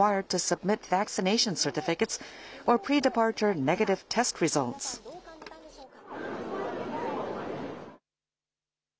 皆さん、どう感じたんでしょうか。